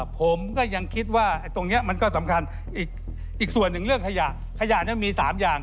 ผมก็ยังคิดว่าตรงนี้มันก็สำคัญอีกส่วนหนึ่งเรื่องขยะขยะมี๓อย่าง